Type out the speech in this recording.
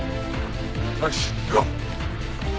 よし行こう！